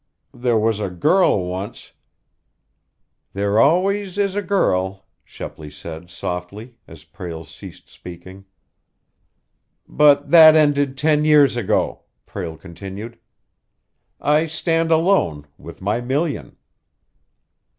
There was a girl once " "There always is a girl," Shepley said softly, as Prale ceased speaking. "But that ended ten years ago," Prale continued. "I stand alone with my million."